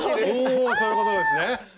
おそういうことですね！